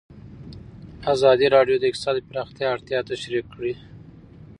ازادي راډیو د اقتصاد د پراختیا اړتیاوې تشریح کړي.